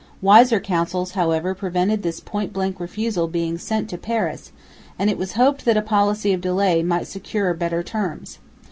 Wiser counsels however prevented this point blank refusal being sent to Paris, and it was hoped that a policy of delay might secure better terms.